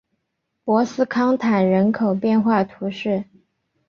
博斯康坦人口变化图示